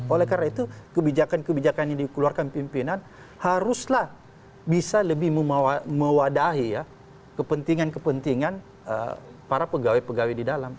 oleh karena itu kebijakan kebijakan yang dikeluarkan pimpinan haruslah bisa lebih mewadahi ya kepentingan kepentingan para pegawai pegawai di dalam